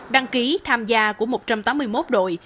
đăng ký tham gia của một trăm tám mươi một đội